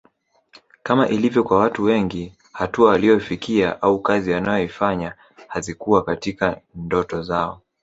Kama ilivyo kwa watu wengi hatua waliyoifikia au kazi wanazoifanya hazikuwa katika ndoto zao